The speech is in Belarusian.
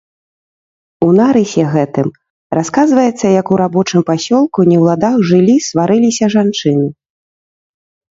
У нарысе гэтым расказваецца, як у рабочым пасёлку не ў ладах жылі, сварыліся жанчыны.